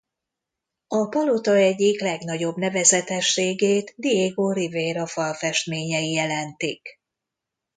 A palota egyik legnagyobb nevezetességét Diego Rivera falfestményei jelentik.